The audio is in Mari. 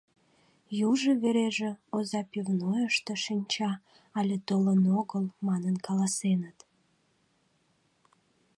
Южо вереже, оза пивнойышто шинча, але толын огыл, манын каласеныт.